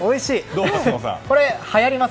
これ、はやります